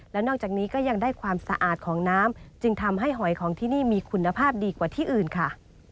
แล้วนอกจากนี้ก็ยังได้ความสะอาดของน้ำจึงทำให้หอยของที่นี่มีคุณภาพดีกว่าที่อื่นค่ะ